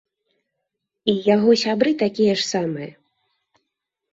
І яго сябры такія ж самыя.